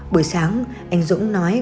buổi sáng anh dũng nói